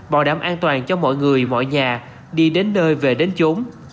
bảo đảm an toàn cho mọi người mọi nhà đi đến nơi về đến chỗ